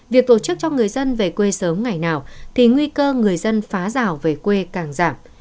việc tổ chức cho người dân về quê sớm ngày nào thì nguy cơ người dân phá rào về quê càng giảm